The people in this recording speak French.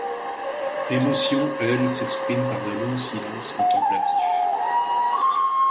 L'émotion, elle, s'exprime par de longs silences contemplatifs.